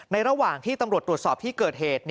ระหว่างที่ตำรวจตรวจสอบที่เกิดเหตุ